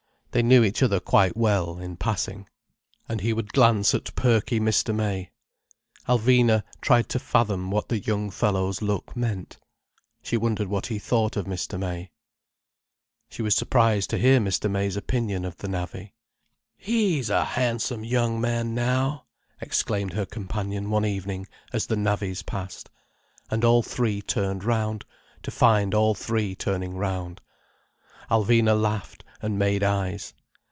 They knew each other quite well, in passing. And he would glance at perky Mr. May. Alvina tried to fathom what the young fellow's look meant. She wondered what he thought of Mr. May. She was surprised to hear Mr. May's opinion of the navvy. "He's a handsome young man, now!" exclaimed her companion one evening as the navvies passed. And all three turned round, to find all three turning round. Alvina laughed, and made eyes.